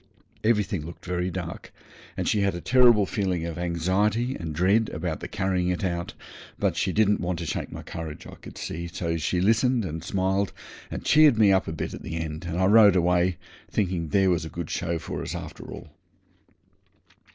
Everything looked very dark, and she had a terrible feeling of anxiety and dread about the carrying it out. But she didn't want to shake my courage, I could see; so she listened and smiled and cheered me up a bit at the end, and I rode away, thinking there was a good show for us after all.